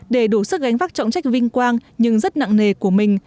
để đủ sức gánh vác trọng trách vinh quang nhưng rất nặng nề của mình